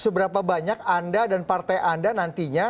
seberapa banyak anda dan partai anda nantinya